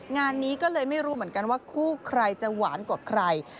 งานนี้ก็เลยไม่รู้เหมือนกันว่าคู่ใครจะหวานกว่าใคร